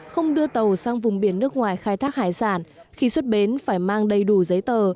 không đưa tàu sang vùng biển nước ngoài khai thác hải sản khi xuất bến phải mang đầy đủ giấy tờ